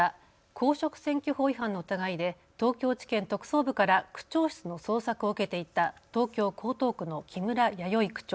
公職選挙法違反の疑いで東京地検特捜部から区長室の捜索を受けていた東京江東区の木村弥生区長。